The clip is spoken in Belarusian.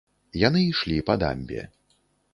Яны ішлі па дамбе.